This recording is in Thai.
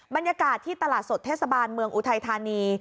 บรรยากาศที่ตลาดสดเทศบาลเมืองอุทัยธานี